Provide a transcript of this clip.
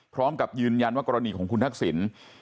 พร้อมกับยืนยันว่ากรณีของคุณทักษิณ